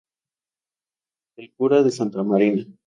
El cura de Santa Marina.